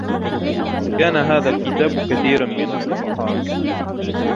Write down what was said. كان هذا الكتاب كثيرا من الصفحات.